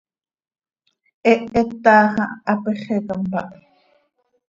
Hehet taax ah hapéxeca mpáh.